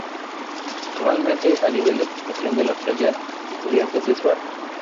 Normalmente el nivel de ocupación de la Playa Estudiantes es bajo.